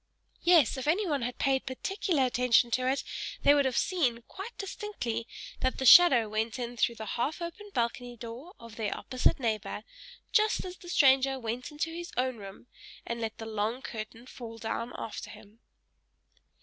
Yes! if anyone had paid particular attention to it, they would have seen, quite distinctly, that the shadow went in through the half open balcony door of their opposite neighbor, just as the stranger went into his own room, and let the long curtain fall down after him.